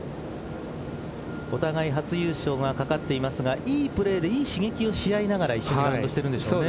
お互い初優勝がかかっていますがいいプレーでいい刺激をし合いながら一緒に回っているんですね。